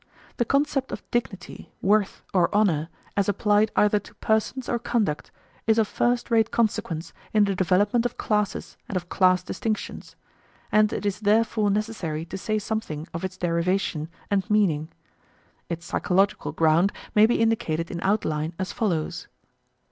The concept of dignity, worth, or honour, as applied either to persons or conduct, is of first rate consequence in the development of classes and of class distinctions, and it is therefore necessary to say something of its derivation and meaning. Its psychological ground may be indicated in outline as follows.